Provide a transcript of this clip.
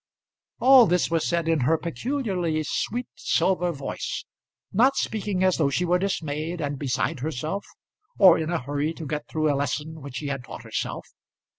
All this was said in her peculiarly sweet silver voice, not speaking as though she were dismayed and beside herself, or in a hurry to get through a lesson which she had taught herself.